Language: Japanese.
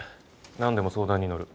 何でも相談に乗る。